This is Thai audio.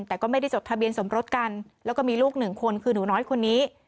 แต่ก็ไม่ได้จดทะเบียนสมรสกันแล้วก็มีลูกหนึ่งคนคือหนูน้อยคนนี้